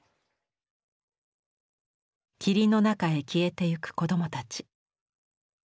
霧の中へ消えてゆく子どもたち。